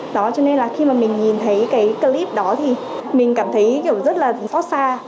đó cho nên là khi mà mình nhìn thấy cái clip đó thì mình cảm thấy kiểu rất là xót xa